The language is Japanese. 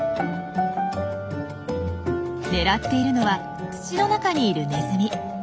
狙っているのは土の中にいるネズミ。